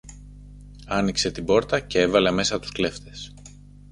άνοιξε την πόρτα κι έβαλε μέσα τους κλέφτες.